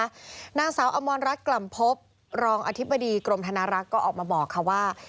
นางสาวอมรรัฐกล่ำพบรองอธิบดีกรมธนารักษ์ก็ออกมาบอกค่ะว่า